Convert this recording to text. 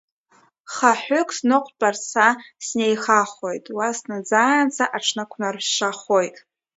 Хаҳәык снықәтәарц са снеихахоит, уа снаӡаанӡа аҽнакәнаршахоит.